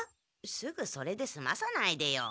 すぐそれですまさないでよ。